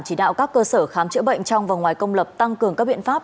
chỉ đạo các cơ sở khám chữa bệnh trong và ngoài công lập tăng cường các biện pháp